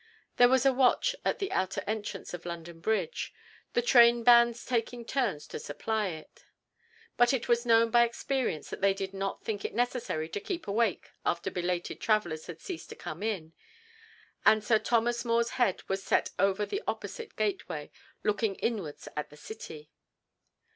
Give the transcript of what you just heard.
There was a watch at the outer entrance of London Bridge, the trainbands taking turns to supply it, but it was known by experience that they did not think it necessary to keep awake after belated travellers had ceased to come in; and Sir Thomas More's head was set over the opposite gateway, looking inwards at the City.